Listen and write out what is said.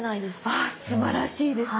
あすばらしいです。